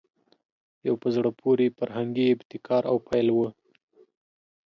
یو په زړه پورې فرهنګي ابتکار او پیل وو